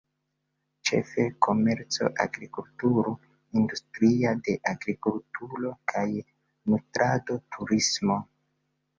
Ĉefe komerco, agrikulturo, industria de agrikulturo kaj nutrado, turismo.